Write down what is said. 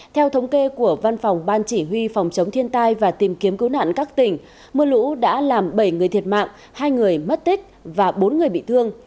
theo thống kê của văn phòng ban chỉ huy phòng chống thiên tai và tìm kiếm cứu nạn các tỉnh mưa lũ đã làm bảy người thiệt mạng hai người mất tích và bốn người bị thương